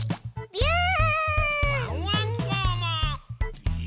ビューン！